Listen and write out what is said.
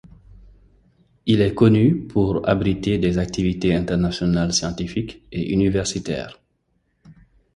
Il est connu pour abriter des activités internationales scientifiques et universitaires.